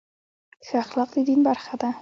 ښه اخلاق د دین برخه ده.